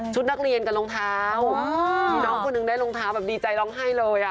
นักเรียนกับรองเท้ามีน้องคนหนึ่งได้รองเท้าแบบดีใจร้องไห้เลยอ่ะ